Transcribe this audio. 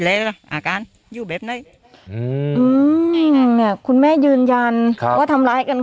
อืมคุณแม่ยืนยันว่าทำร้ายกันขนาดนี้